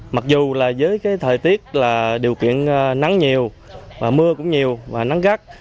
mặc dù là với cái thời tiết là điều kiện nắng nhiều và mưa cũng nhiều và nắng gắt